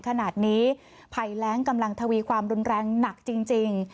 ขณะนี้ภัยแรงกำลังทวีความรุนแรงหนักจริง